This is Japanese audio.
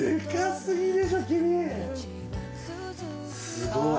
すごい。